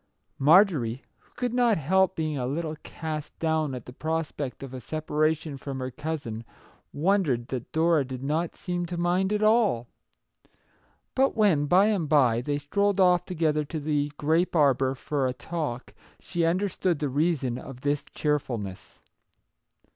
Mar jorie, who could not help being a little cast down at the prospect of a separation from her cousin, wondered that Dora did not seem to mind at all. But when, by and by, they strolled off together to the grape arbour for a talk, she understood the reason of this cheer fulness.